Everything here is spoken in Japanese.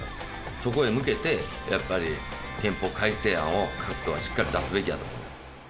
そこへ向けて、やっぱり憲法改正案を各党はしっかり出すべきやと思います。